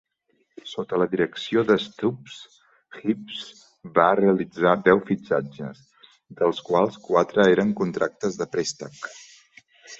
Sota la direcció de Stubbs, Hibs va realitzar deu fitxatges, dels quals quatre eren contractes de préstec.